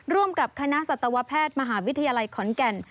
ร่วมกับคณะสัตวแพทย์มหาวิทยาลัยขอนแก่น